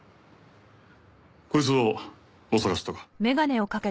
こいつをお探しとか。